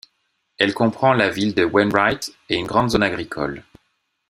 Elle comprend la ville de Wainwright et une grande zone agricole.